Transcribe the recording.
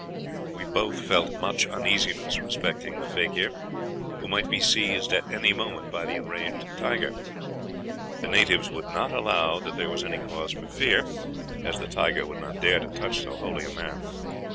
"We both felt much uneasiness respecting the fakir, who might be seized at any moment by the enraged tiger. The natives would not allow that there was any cause for fear, as the tiger would not dare to touch so holy a man.